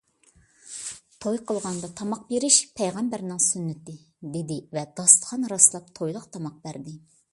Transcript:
— توي قىلغاندا تاماق بېرىش پەيغەمبەرنىڭ سۈننىتى، — دېدى ۋە داستىخان راسلاپ تويلۇق تاماق بەردى.